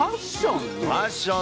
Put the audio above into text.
ファッション？